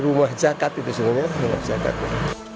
rumah jakarta itu sebenarnya rumah jakarta